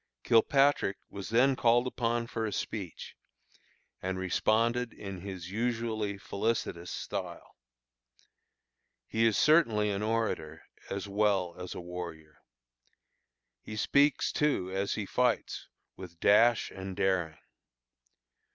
Kilpatrick was then called upon for a speech, and responded in his usually felicitous style. He is certainly an orator as well as a warrior. He speaks, too, as he fights, with dash and daring.